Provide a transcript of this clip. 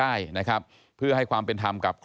ก็มีการออกรูปรวมปัญญาหลักฐานออกมาจับได้ทั้งหมด